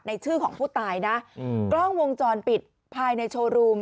ชื่อของผู้ตายนะกล้องวงจรปิดภายในโชว์รูม